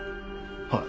はい。